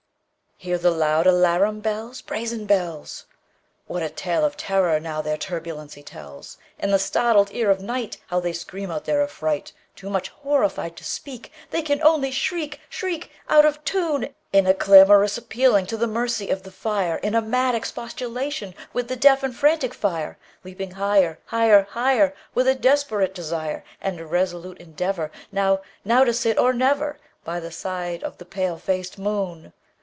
Hear the loud alarum bells, Brazen bells! What a tale of terror, now, their turbulency tells! In the startled ear of nightHow they scream out their affright! Too much horrified to speak, They can only shriek, shriek, Out of tune, In a clamorous appealing to the mercy of the fire, In a mad expostulation with the deaf and frantic fire, Leaping higher, higher, higher, With a desperate desire, And a resolute endeavorNow—now to sit or never, By the side of the pale faced moon.